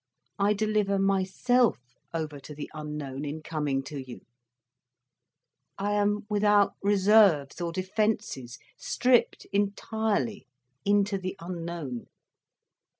I deliver myself over to the unknown, in coming to you, I am without reserves or defences, stripped entirely, into the unknown.